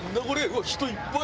うわっ人いっぱい！